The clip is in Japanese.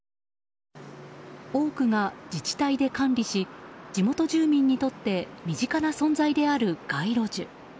多くが自治体で管理し地元住民にとって身近な存在である街路樹。